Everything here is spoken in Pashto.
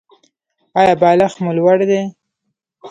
ایا بالښت مو لوړ دی؟